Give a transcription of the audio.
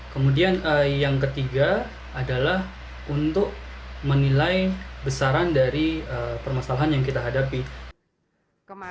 kemudian yang ketiga adalah untuk menilai besaran dari permasalahan yang kita hadapi